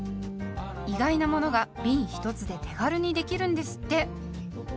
意外なものがびん１つで手軽にできるんですって。